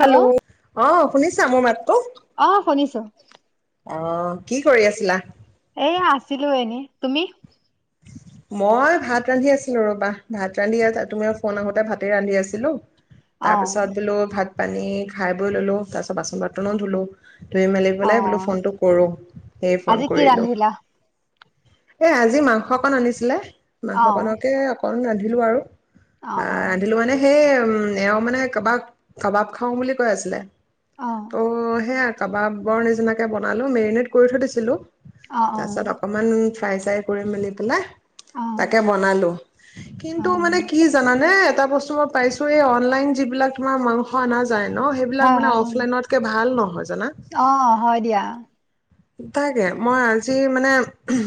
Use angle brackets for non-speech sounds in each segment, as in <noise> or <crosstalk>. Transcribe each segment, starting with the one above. Hello, ! অ', শুনিছা মোৰ মাতটো? অ শুনিছো অ', কি কৰি‌ আছিলা? এইয়া আছিলোঁ এনে তুমি? মই ভাত ৰান্ধি আছিলোঁ ৰ'বা ভাত ৰান্ধি <unintelligible> তুমিও ফোন আহোঁতে ভাতে ৰান্ধি আছিলোঁ। অ তাৰপিছত বোলো ভাত পানী খায় বৈ ললোঁ, তাৰপিছত বাচন বৰ্তনো ধুলোঁ। ধুই মেলি অ বোলে, বোলো ফোনটো কৰোঁ, এ, আজি ফোন কি কৰিলোঁ। ৰান্ধিলা এ, আজি মা স, অকণ আনিছিলে। মাংস অ কনকে অক <unintelligible> ৰান্ধিলোঁ আৰু। অ অ আ, ৰান্ধিলোঁ মানে সেই উম, এওঁ মানে কাবাব, কাবাব খাওঁ বুলি কৈ আছিলে। ত' অ সেইয়া কাবাবৰ নিচিনাকে বনালোঁ মেৰিনেট কৰি থৈ দিছিলোঁ। অ তাছত অকমান ফ্ৰাই, চাই কৰি মেলি পেলাই অ অ তাকে, বনালোঁ অ কিন্তু মানে কি জানানে? এটা বস্তু মই পাইছোঁ এ, অনলাইন যিবিলাক তোমাৰ মাংস আনা যায় ন' সেইবিলাক হয় মানে হয় উম। অফলাইনতকে ভাল নহয় জানা? অ হয় দিয়া তাকে, মই আজি মানে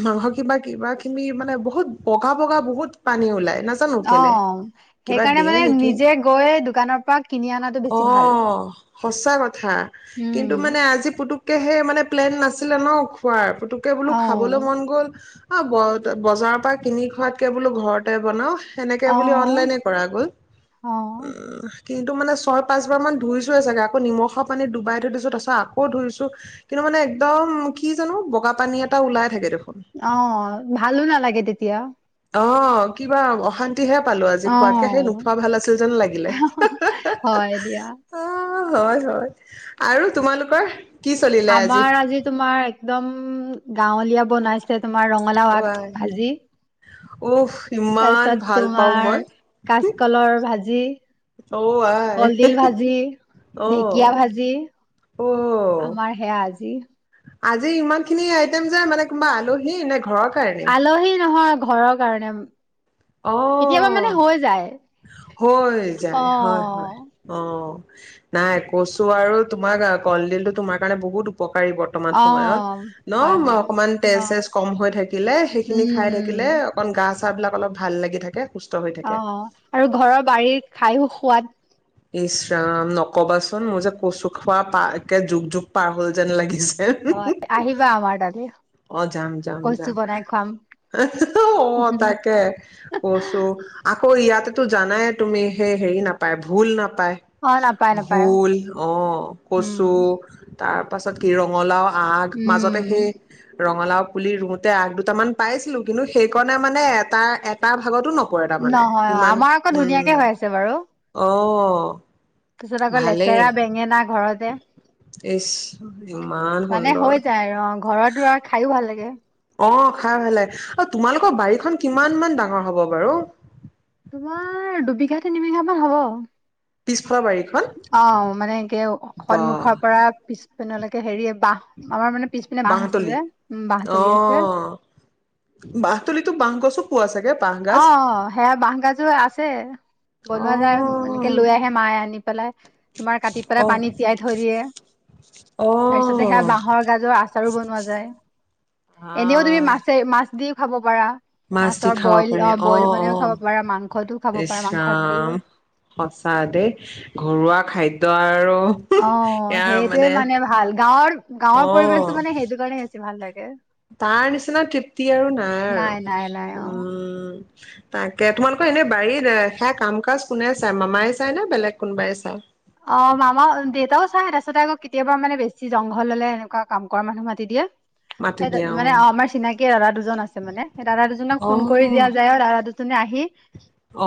মাংস কিবাকিবি মানে বহুত বগা, বগা বহুত পানী ওলাই। নাজানো কেলে অ', কিবা সেইকাৰনে দিয়ে মানে নেকি নিজে গৈ দোকানৰ পৰা কিনি আনাতো বেছি ভাল। অ' সঁচা ক থা, কিন্তু উম মানে আজি পুতুক কে হে মানে প্লেন <unintelligible> <unintelligible> ন' খোৱাৰ পুতুককে বোলো অ খাবলে মন গ'ল। অ, ব বজাৰৰ পৰা কিনি খোৱাতকৈ ঘৰতে বনাও। সেনেকে অ বুলি অনলাইন এ কৰা গ'ল। অ উ কিন্তু মানে ছয় পাঁচ বাৰ মান ধুইছোৱে চাগে, আকৌ নিমখৰ পানীত ডুবাই থৈ দিছো। তাৰপিছত আকৌ ধুইছোঁ। কিন্তু মানে একদম, কি জানো বগা পানী এটা ওলাই থাকে দেখো অ, ভালো নালাগে তেত তিয়া। অ', কিবা অশান তি হে পালোঁ, অ নোখোৱা ভাল আছিল যেন লাগিলে। হয় দিয়া অ অ', হয় হয়, আৰু তোমালোকৰ? কি চলিলে আমাৰ আজি তোমাৰ একদম ম, গাঁওলীয়া বনাইছে। তোমাৰ ৰঙালাও অ আগ আই ভাঁজি। উফ ইমান তাৰপিছত ভাল পাওঁ মই তোমাৰ কাঁচকলৰ ভাঁজি। অ আই কলডিল ভাঁজি, অ ঢেঁকীয়া ভাঁজি, অ আমাৰ সেয়া আজি। আজি ইমান খিনি আইটেম যে, মানে কোনোবা আলহী নে ঘৰত আলহী নহয়। ঘৰৰ কাৰণে। অ, কেতিয়াবা মানে হৈ যায় হৈ অ যায়। হয় হয়। অ' নাই কচু আৰু তোমাৰ, কলডিলটো তোমাৰ কাৰণে বহুত উপ পকাৰি বৰ্তমান অ সময়ত, ন হয় হয় অকমান তেজ অ চেজ কম হৈ থাকিলে, সেইখিনি উম খায় থাকিলে উম অকণমান গাত গা বিলাক অলপ ভাললাগি থাকে। খুচ অ', অ', আৰু ঘৰৰ বাৰীত খাইও খুৱাদ। ইছৰাম নকবা চোন, মোৰ যে কচু খোৱা পা একে যোগ যোগ পাৰ হ'ল যেন লাগিছ এ। হয় আহিবা আমাৰ তালৈ অ, যাম যাম কচু যাম। বনাই খুৱাম তাকে কচু অ ইয়াতেটো জানাই তুমি হে হেৰি নাপাই বুলি। ভোল নাপ পায়। অ নাপায় নাপায় ভোল, অ কচু। উম তাৰপিছত কি ৰঙালাও আগ, মাজতে সেই উম, ৰঙালাও পুলি ৰোতে আগ দুটা মান পাইছিলোঁ। কিন্তু সেইকণে মানে এটাৰ এটাৰ ভ নহয় অ'। আমাৰ আকৌ উম ধুনীয়াকৈ হৈ আছে বাৰু। অ', অ' পিছত, আকৌ লেছেৰা, বেঙেনা ঘৰতে। ঈশ্, ইমান মানে হৈ সুন্দৰ! যায় আৰু অ' ঘৰত ৰোৱা, খাইও ভাল লা লাগে। অ'‌, খাই ভাল লাগে। অ, তোমালোকৰ বাৰীখন কিমানমান ডাঙৰ হ'ব বাৰু? তোমাৰ, দুবিঘা, তিনিবিঘামান হ'ব। <inaudible> অ', মানে, একে বা সন্মুখৰ পৰা পিছ পিনলৈকে হেৰি বাঁহ, আমাৰ মানে, পিছপিনে বাঁহ আছে বাঁহতলী যে। উম, অ বাঁহতলি আছে। তলিটো, বাঁহগছো পোৱা চাগে বাঁহ গাজ। অ', সেইয়া বাঁহগাজো আছ ছে। অ বনোৱা যায়। এনেকৈ লৈ আহে মায়ে, আনি পেলাই, তোমাৰ কাটি পেলাই, অ পানীত তিয়াই থৈ দিয়ে। অ তাৰ পিছতে, সেইয়া বাঁহৰ গাজৰ আচাৰো বনোৱা যায়। এনেও, তুমি আহ মাছে-মাছ দিওঁ খাব পাৰা। মাছ দি খা পাৰে, বইল অ' বনাইও খাব পাৰা মাংসটো খাব অ', ইছ পাৰা মাংসত দিও ৰাম সঁচা দেই, ঘৰুৱা খাদ্য অ', সেইটোৱেই, মানে, ভাল। গাঁৱৰ, গাঁৱৰ অ পৰিৱেশটো, মানে, সেইটোৰ কাৰণে বেছি ভাল লাগে। <inaudible> তাৰ নিচিনা তৃপ্তি আৰু নাই আৰু, নাই নাই অ উম। তাকে, তোমালোকৰ এনে বাৰীত, সেইয়া কাম-কাজ কোনে চায়? মামাই চায় নে বেলেগ কোনোবাই চায়? অ'‌, মামাও, দেউতাও চায়। তাৰ পিছতে, আকৌ কেতিয়াবা, মানে, বেছি জংঘল হ'লে, এনেকুৱা কাম কৰা মানুহ মাতি দিয়ে। মাতি সেইজন, দিয়া মানে, অ', আমাৰ চিনাকি দাদা দুজন আছে, মানে। সেই দাদা দুজনক অ ফোন কৰি দিয়া যায়, আৰু সেই দাদা দুজনে আহি,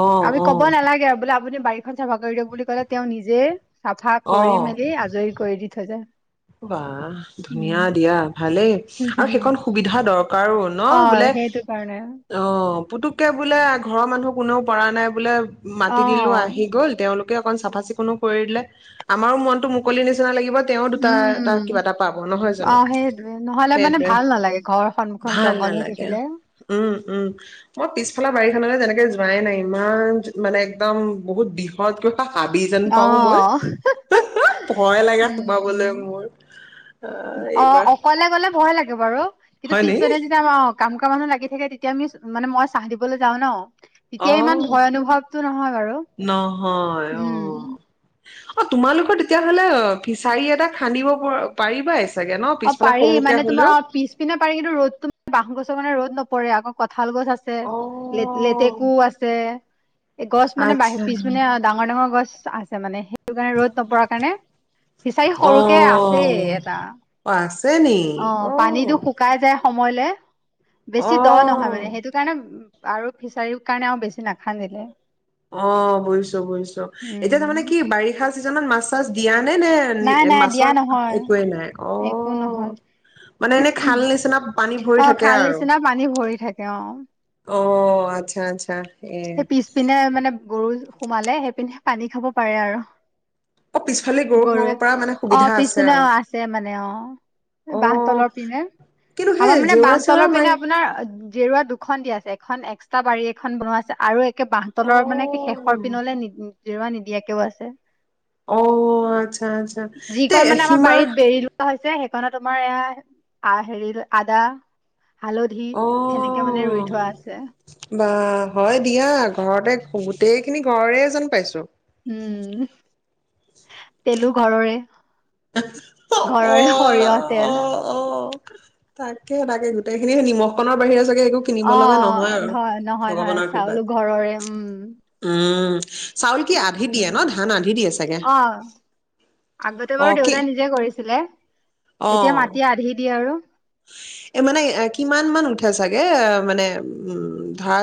অ অ আমি ক'ব অ নেলাগে আৰু, বোলে <unintelligible> <unintelligible> দিয়ক বুলি ক'লে, তেওঁ নিজে ছাফা অ কৰি-মেলি, আজৰি কৰি দি থৈ যায়। বাহ! উম ধুনীয়া দিয়া। ভালেই। আৰু সেইকন সুবিধা দৰকাৰো ন? অ বোলে, সেইটো কাৰণে অ'। পুটুকে বোলে, ঘৰৰ মানুহ কোনেও পৰা নাই, বোলে। অ মাতি দিলোঁ আহি গল তেওঁলোক। কে, অকণ চাফা-চিকুণো কৰিলে। আমাৰো মনটো মুকলি নিচিনা লাগিব। তেওঁ উম তাই-তাই, কিবা এটা পাব নহয় অ জানো। সেইটোৱে নহলে মানে সেইটোৱে ভাল নালাগে ঘৰৰ সন্মুখত ভাল জংঘল হৈ নালাগে। থাকিলে উম, উম। অ', পিছফালৰ বাৰীখন মানে তেনেকে যোৱাই নাই। ইমান, মানে, একদম বহুত বিষধকৈ হাবি যেন পাও মই অহ <unintelligible> ভয় লাগে সোমাবলৈ <inaudible> অ' এইবাৰ অকলে গলে ভয় লাগে বাৰু হয়নি <inaudible> কাম কৰা মানুহ লাগি থাকে তেতিয়া আমিচ মানে মই চাহ দিবলে যাওঁ ন অ ইতিয়া ইমান ভয় অনুভৱটো নহয় বাৰু নহয় অ উম অ তোমালোকৰ তেতিয়া হলে ফিচাৰি এটা খান্দিব প পানিবাহিত চা অ পাৰি মানে তোমাৰ পিছপিনে পাৰি কিন্তু ৰদ টো <unintelligible> বাঁহ গছৰ কাৰনে ৰদ নপ পৰে আকৌ কত শাল গছ আছে অ লেতলেতেকো আছে গছ মানে বাহি আচ্ছা পিছপিনে ডাঙৰ ডাঙৰ গছ চ আছে মানে হেইটো কাৰণে ৰ'দ নপৰা কাৰণে ফিচাৰী অ হৰুকে আছেই এটা অ আছে নি অ' পানী টো শুকাই যায় সময় লে বেছি দ' নহয় অ মানে হেইটো কাৰণে আৰু ফিচাৰিৰ কাৰণে বেছি নাখান্দিলে অহ বুইচু বুইচু, এতিয়া উম তাৰমানে কি বাৰিষা ছিজনত মাছ চাছ দিয়া নে নাই নে নাই দিয়া মাছৰ নহয় একো এ নাই আকৌ, একো নহয় অ, মানে এনেই খাল নিচিনা পানী অ ভৰি থাকে খাল আৰু! নিচিনা পানী ভৰি থাকে অ অঃ আত্চা আত্চা এই পিছপিনে মানে গৰু সোমালে সেইপিনে পানী খাব পাৰে আৰু অ', পিছফালে গৰু সোমাব গৰুৱে, পৰা মানে অ সুবিধা আছে পিছপিনে আৰু অ আছে মানে অ, বাঁহ অ', তলৰ পিনে, কিন্তু সেই আমাৰ মানে জেওৰা বাঁহ চেওৰা তলৰ পিনে মাৰি আপোনাৰ জেওৰা দুখ, খন দিয়া আছে এখন এক্সট্ৰা বাৰী এখন বনোৱা আছে আছে আৰু এ কে বাঁহ তলৰ মানে একে শেষৰ অ', পিনলে নিদি জেওৰা নিদিয়াকে কেও আছে, অহ আত্চা আত্চা, তে যিকণ আমাৰ সীমা বাৰীত বেৰি লোৱা হৈছে সেইকণত মানে তোমাৰ এইয়া আ হেৰী আদা হালধি অ', হেনেকে মানে ৰুই থোৱা আছে। হয় দিয়া, গোটেই খিনি ঘৰৰে যেন পাইছোঁ উম্ তেলো ঘৰৰে অ', ঘৰৰ সৰিয়হ তেল, কে, হে, তাকে, গোটেইখিনি সেই নিমখ-কণৰ বাহিৰে, চাগে কে, একো কিনিব অ লগা নহয়। আৰু নহয় নহয় ভগৱানৰ চাউলো কৃপাত, ঘৰৰে উম উম, চাউল কি আধি দিয়ে ন, ধা <inaudible> অ', আগতেও অ', <unintelligible> কি দেউতায়ে নিজে কৰিছিলে। এতিয়া অ', মাটি আধি দিয়ে আৰু এই, মানে, কিমানমান উঠে চাগে? উম, ধা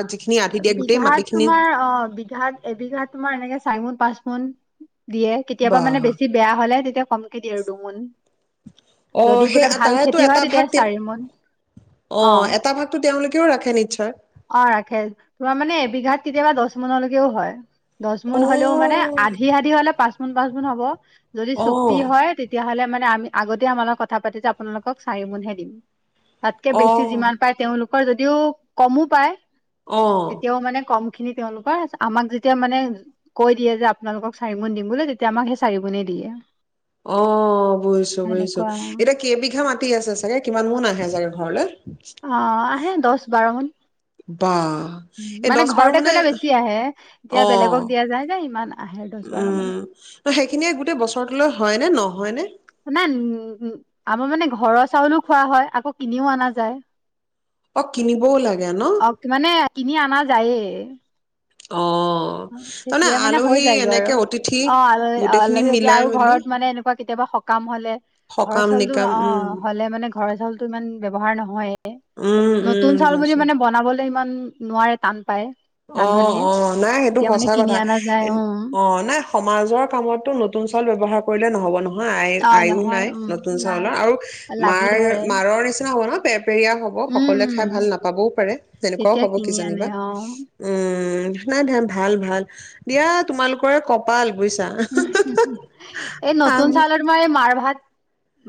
বিঘাত তোমাৰ, অ'। বিঘাত, এবিঘাত তোমাৰ, এনেকে চাৰি মুণ, পাঁচ মুণ। দিয়ে। কেতিয়াবা, বাহ মানে, বেছি বেয়া হ'লে, তেতিয়া কমকে দিয়ে, আৰু দুগুণ অ', সেই তাৰেই তো এটা ভাগ, তেওঁ, চাৰি মোন অ', এটা ভাগটো তেওঁলোকে তেওঁ ৰাখে, নিশ্চয়। অ', ৰাখে। তোমাৰ, মানে, এবিঘাত কেতিয়াবা দছ মুণা লৈকেও হয়। দছ মুণ হ'লেও, মানে, অ', আধি-আধি হ'লে, পাঁছ <unintelligible> গুণ হ'ব। যদি চুক্তি অ', হয়, তেতিয়াহ'লে মানে, আমি আগতেই আমাৰ লগত কথা পাতিছে। আপোনালোকক চাৰি গুণহে দিম। তাতকে বেছি, অ', যিমান পাৰে, তেওঁ হয় যদিও কমো পায়। অ'। তেতিয়াও, মানে, কম সেইখিনি তেওঁলোকৰ। আমাক যেতিয়া, মানে, কৈ দিয়ে যে, আপোনালোকক চাৰি মোণ দিম বুলি, তেতিয়া আমাক সেই চাৰি মোনে দিয়ে। অ', বুজিছোঁ-বুজিছোঁ। সেনেকুৱা এতিয়া কেইবিঘা মাটি আছে চাগে? কিমান মুণ আহে চাগে ঘৰলৈ? অ', আহে দছ বাৰ মুণ। বা এই মানে, দহ বাৰ ঘৰতে কৰিলে বেছি আহে। এতিয়া অ বেলেগক দিয়া যায় যে, ইমান আহে দহ বাৰ মান উম, সেইখিনিয়েই গোটেই বছৰটোলৈ হয় নে ন মানে, আমাৰ মানে ঘৰৰ চাউলো খোৱা হয়, আকৌ কিনিও আনা যায়। অ কিনিবও লাগে ন অ', মানে, কিনি আনা যায়েই। এ অ'। তাৰমানে তেতিয়া মানে হৈ আলহী যায় গৈ আৰু। এনেকে অতিথি অ' আল গোটেইখিনি আলহী যদি মিলাই আৰু মিলি ঘৰত মানে এনেকুৱা কেতিয়াবা সকাম হ'লে ঘৰ সকাম চাউল টো নিকাম অ উম হলে মানে ঘৰৰ চাউল টো ইমান ব্য ৱহাৰ নহয়ে। উম নতুন উম চাউল বুলি বুজিছো মানে বনাবলৈ ইমান নোৱাৰে টান পায় ৰান্ধনীয়ে অ'অ' নাই সেইটো তেতিয়া মানে সচাঁ কিনি কথা। অনা যায় উম অ' নাই সমাজৰ কামত টো নতুন চাউল ব্যৱহাৰ কৰিলে নহব নহয়৷ আয় অ আয়ো নাই নহয় উম নতুন নাই চাউলৰ আৰু লাগি মাৰ ধৰে মাৰৰ নিচিনা হ'ৱ ন। <unintelligible> হ'ব উম সকলোৱে খায় উম ভাল নাপাব ও পাৰে তেতিয়া কিনি কিজানি আনে বা। অ উম নাই ভাল, ভাল দিয়া তোমালোকৰ কপাল বুইছা। এই নতুন চাউলত মই মাৰ ভাত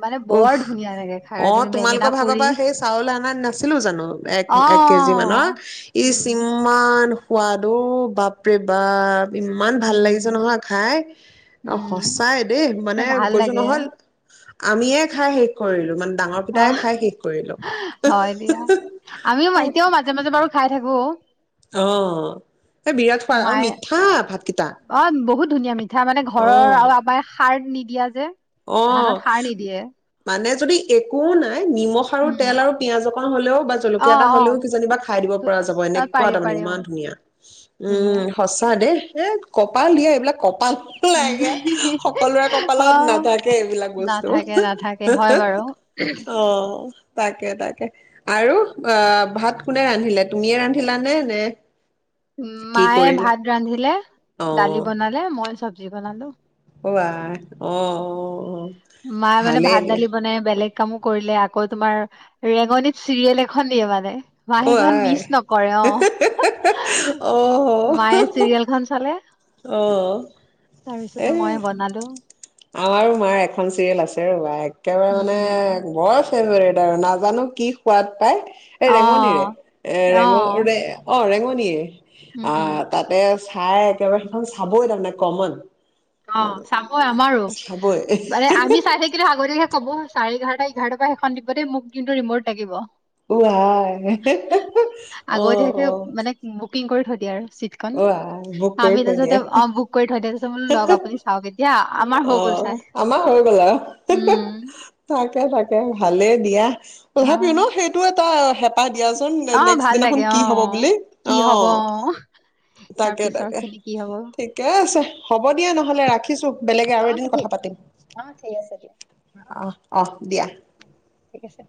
মানে বৰ উস ধুনীয়া লাগে খাই অ' তুমি বেঙেনা তোমালোকৰ ভাগৰ পুৰি পৰা সেই চাউল আনা নাছিলো জানো এক, অ এক কেজি মানৰ, ইস্ উম ইমান সোৱাদ অ' বাপৰে বাপ। ইমান ভাল লাগিছে উম নহয় খায়। উম সচাই দেই মানে ভাল কৈছো লাগে নহয়। আমিয়ে খায় শেষ কৰিলো মানে কেইটাই অঃ খাই শেষ কৰিলো। হয় দিয়া। আমি তাকে। এতিয়াও মাজে মাজে বাৰু খায় থাকে। অ' বিৰাট সোৱাদ আৰু মায়ে মিঠা ভাত কেইটা। <unintelligible> মিঠা মানে ঘৰৰ আৰু আব্বা য়ে সাৰ নিদিয়া যে। ধানত অ' সাৰ নিদিয়ে মানে <unintelligible> নিমখ আৰু উম তেল আৰু পিঁয়াজ অকন হ'লেও বা অ', জলকীয়া এটা হ'লেও অ', কিজানি বা খায় দিব ধু- পৰা যাৱ। অ', এনেকোৱা পাৰি মানে পাৰি অ', ইমান ধুনীয়া। ধুনীয়া উম সচাঁ দেই। এই কপাল দিয়া এইবিলাক কপালো উম, লাগে সকলোৱে কপালত না অ', থাকে এইবিলাক বস্তু নাথাকে নাথাকে হয় বাৰু অ'। তাকে, তাকে আৰু। ভাত কোনে ৰান্ধিলে? তুমিয়ে ৰান্ধিলা নে? নে কি মায়ে কৰিলা ভাত ৰান্ধিলে। অ দালি বানালে। মই চবজি বানালো। ৱাহ অ' অ' মায়ে মানে ভালেই দিয়া ভাত-দালি বনাই বেলেগ কামো কৰিলে আকৌ তোমাৰ ৰেংগণিত চিৰিয়েল এখন দিয়ে মানে। মায়ে অ সেইখন আই মিছ নকৰে অ'। অ <inaudible> মায়ে চিৰিয়েলখন চালে। অ'। তাৰপিছতে এই, মই বনালো আমাৰো মাৰ একো এখন চিৰিয়েল আছে ৰ'বা, এক একেবাৰে মানে। উম, <unintelligible> <unintelligible> নাজানো কি খোৱাত পায়। এ ৰেংগণিৰে অ', এ ৰেঙ অ', ৰে অ', ৰেংগণি নিৰ উম, আ, তাতে চায় একেবাৰে সেইখন চাবই দম নাই, কমন। অ' চাবই আমাৰো। চাবই মানে আমি চাই থাকিলে আগতীয়াকে কব চাৰে এঘাৰটা এগৰ্তাপা সেইখন দিব দেই, মোক কিন্তু ৰিমৰ্ত লাগিব। অ', আই। অ' অ'। পিয়াৰ চিটখন। অ আই বুক কৰি আমি তাৰ থৈ পিছতে দিয়ে অ' বুক কৰি থৈ দে পিছত বোলোঁ, লওক আপ অ', আমাৰ হৈগল আৰু তাক উম তাকে তাকে ভালে দিয়া। অ তথাপিও ন' সেইটো তা' হেপ পাহ দিয়া চোন অ নেক্স্ট ভাল লাগে দিনাখন অ কি হ'ব বুলি। কি হব অ'। তাৰ তাকে পিছৰ তাকে, খিনি কি হব অ ঠিকেই আছে হ'ব দিয়া। নহ'লে ৰাখিছোঁ বেলেগে আৰু এদিন কথা ঠিক পাতিম। অ ঠিক আছে দিয়া আহ, আহ, দিয়া। ঠিক আছে।